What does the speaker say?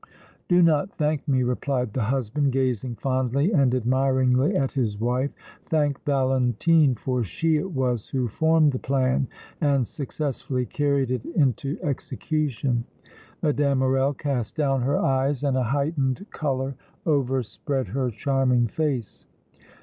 "Do not thank me," replied the husband, gazing fondly and admiringly at his wife; "thank Valentine, for she it was who formed the plan and successfully carried it into execution!" Mme. Morrel cast down her eyes and a heightened color overspread her charming face.